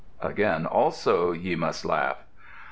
_ Again also ye must laugh."